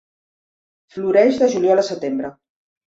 Floreix de juliol a setembre.